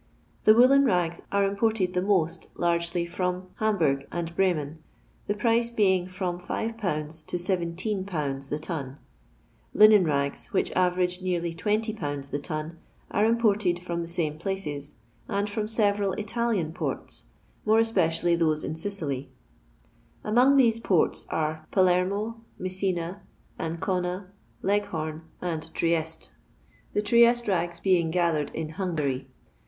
The woollen rsgs are imported the most largely from Hamburg and Bremen, the price being from 6/. to 17^ the ton. Linen mgs, which average nearly 20(. the ton, srs imported from the same places, and from sevcnl Italizui ports, more especially those in Sicily* Among these ports are Palermo, Messina, Anooas, Leghorn, and Trieste (the Trieste rags being gar thored in Hungary).